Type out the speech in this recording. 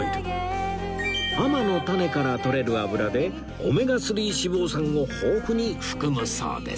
亜麻の種からとれる油でオメガ３脂肪酸を豊富に含むそうです